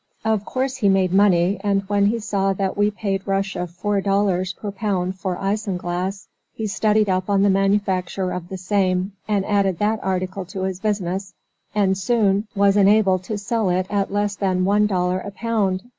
Of course, he made money, and when he saw that we paid Russia four dollars per pound for isinglass, he studied up on the manufacture of the same, and added that article to his business, and soon was enabled to sell it at less than ONE DOLLAR A POUND.